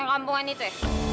yang kampungan itu ya